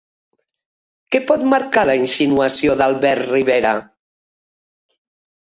Què pot marcar la insinuació d'Albert Rivera?